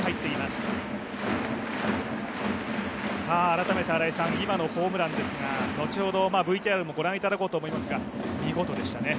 改めて新井さん、今のホームランですが、後ほどＶＴＲも御覧いただこうと思いますが、見事でしたね。